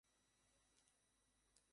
সবই আলুর জাদু।